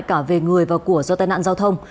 cả về người và của do tai nạn giao thông